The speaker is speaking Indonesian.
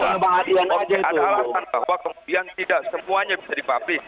oke ada alasan bahwa kemudian tidak semuanya bisa dipapis